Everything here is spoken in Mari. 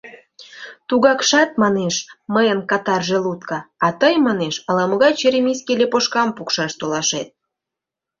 Тугакшат, манеш, мыйын катар желудка, а тый, манеш, ала-могай черемисский лепошкам пукшаш толашет.